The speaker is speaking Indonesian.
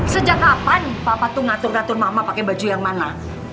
sejak kapan papa tuh ngatur ngatur mama pakai baju yang mana